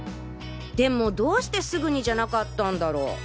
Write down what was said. でもどうしてすぐにじゃなかったんだろ。